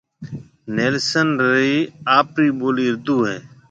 نيلسن رِي آپرِي ٻولِي اُردو ھيََََ